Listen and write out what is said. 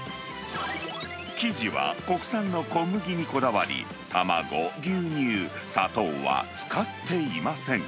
生地は国産の小麦にこだわり、卵、牛乳、砂糖は使っていません。